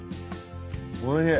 おいしい。